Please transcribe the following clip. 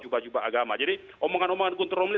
jubah jubah agama jadi omongan omongan gunter romli